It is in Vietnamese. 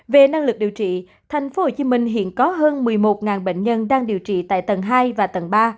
về năng lực điều trị tp hcm hiện có hơn một mươi một bệnh nhân đang điều trị tại tầng hai và tầng ba